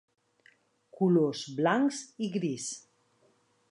Colors blancs i gris.